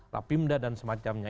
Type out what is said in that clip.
rapimda dan semacamnya